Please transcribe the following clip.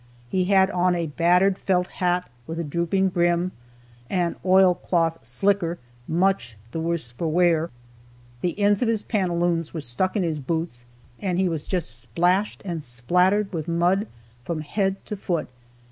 He had on a battered felt hat, with a drooping brim, an oil cloth "slicker," much the worse for wear, the ends of his pantaloons were stuck in his boots, and he was just splashed and splattered with mud from head to foot.